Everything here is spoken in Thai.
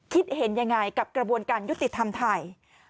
คิดเห็นยังไงกับกระบวนการยุติธรรมไทย